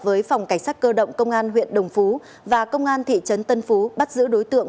với phòng cảnh sát cơ động công an huyện đồng phú và công an thị trấn tân phú bắt giữ đối tượng